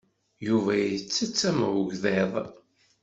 Yuba yettett am ugḍiḍ.